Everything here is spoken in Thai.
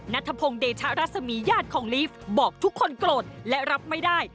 นัทพงศ์เดชะรัศมีญาติของลีฟบอกทุกคนโกรธและรับไม่ได้